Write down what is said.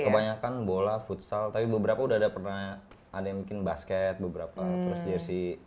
kebanyakan bola futsal tapi beberapa udah ada pernah ada yang bikin basket beberapa terus jersi